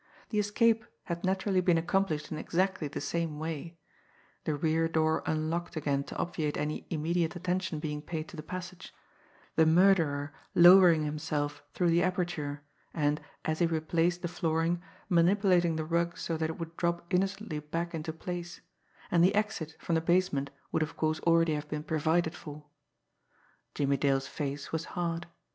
The escape had naturally been accomplished in exactly the same way the rear door unlocked again to obviate any immediate attention being paid to the passage the murderer lowering himself through the aperture, and, as he replaced the flooring, manipulating the rug so that it would drop innocently back into place and the exit from the basement would of course already have been provided for. Jimmie Dale's face was hard.